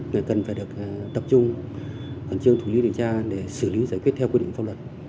người cần phải được tập trung còn chương thủ lý điều tra để xử lý giải quyết theo quy định pháp luật